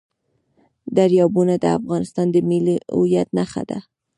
دریابونه د افغانستان د ملي هویت نښه ده.